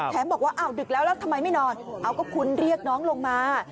บอกว่าอ้าวดึกแล้วแล้วทำไมไม่นอนเอาก็คุ้นเรียกน้องลงมา